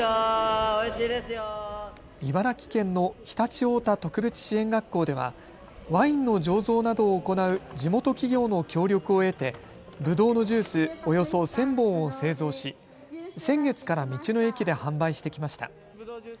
茨城県の常陸太田特別支援学校ではワインの醸造などを行う地元企業の協力を得てぶどうのジュースおよそ１０００本を製造し先月から道の駅で販売してきました。